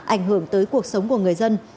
ảnh hưởng tới cuộc sống của người dân